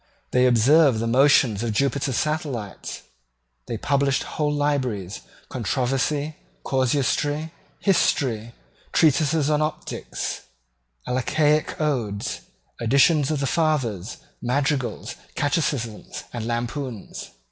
They observed the motions of Jupiter's satellites. They published whole libraries, controversy, casuistry, history, treatises on optics, Alcaic odes, editions of the fathers, madrigals, catechisms, and lampoons.